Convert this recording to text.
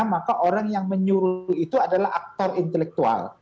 maka orang yang menyuruh itu adalah aktor intelektual